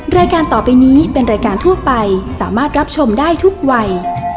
รายการต่อไปนี้เป็นรายการทั่วไปสามารถรับชมได้ทุกวัย